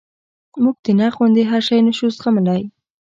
موږ د نقد غوندې هر شی نشو زغملی.